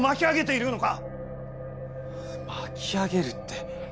巻き上げるって。